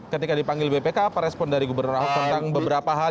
ketika dipanggil bpk apa respon dari gubernur ahok tentang beberapa hal